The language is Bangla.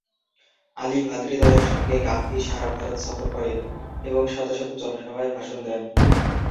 আলী ভ্রাতৃদ্বয়ের সঙ্গে গান্ধী সারা ভারত সফর করেন এবং শত শত জনসভায় ভাষণ দেন।